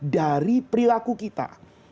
dari perilaku kita